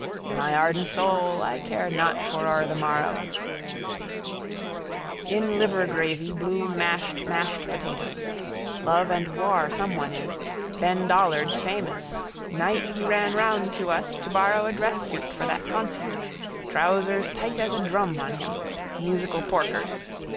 —............ my ardent soul I care not foror the morrow. In liver gravy Bloom mashed mashed potatoes. Love and War someone is. Ben Dollard's famous. Night he ran round to us to borrow a dress suit for that concert. Trousers tight as a drum on him. Musical porkers.